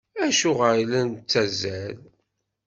Acuɣer i la nettazzal?